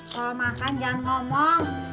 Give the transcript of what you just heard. kalau makan jangan ngomong